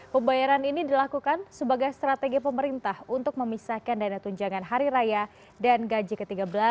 pembayaran ini dilakukan sebagai strategi pemerintah untuk memisahkan dana tunjangan hari raya dan gaji ke tiga belas